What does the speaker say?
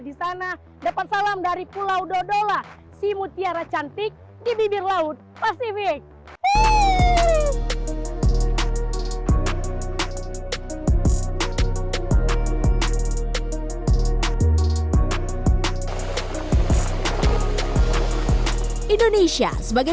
di sana dapat salam dari pulau dodola si mutiara cantik di bibir laut pasifik